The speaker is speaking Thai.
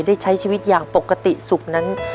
ได้ใช้ชีวิตอย่างปกติสุขนั้น